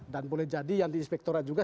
dan boleh jadi yang di inspektorat juga